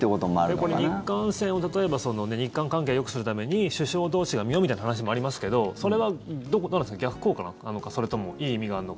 これ、日韓戦を例えば日韓関係をよくするために首相同士が見ようみたいな話もありますけどそれは逆効果なのかそれともいい意味があるのか。